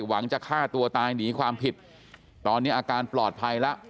หวังจะฆ่าตัวตายหนีความผิดตอนนี้อาการปลอดภัยแล้ว